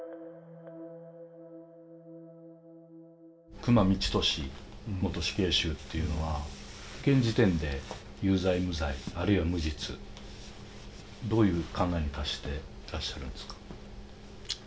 久間三千年元死刑囚っていうのは現時点で有罪無罪あるいは無実どういう考えに達していらっしゃるんですか？